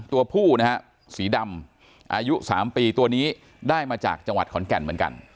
ตัวผู้นะฮะสีดำอายุ๓ปีตัวนี้ได้มาจากจังหวัดขอนแก่นเหมือนกัน